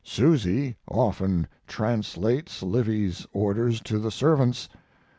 Susy often translates Livy's orders to the servants.